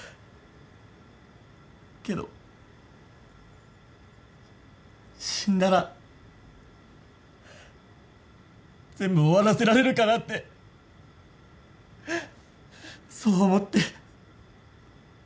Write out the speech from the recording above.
けど死んだら全部終わらせられるかなってそう思って。